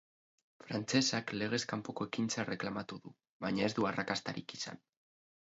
Frantsesak legez kanpoko ekintza erreklamatu du, baina ez du arrakastarik izan.